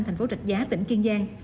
thành phố rạch giá tỉnh kiên giang